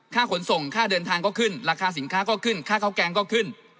ขนส่งค่าเดินทางก็ขึ้นราคาสินค้าก็ขึ้นค่าข้าวแกงก็ขึ้น